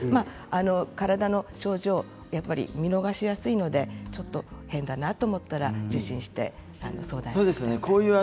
体の症状は見逃しやすいのでちょっと変だなと思ったら受診して相談してください。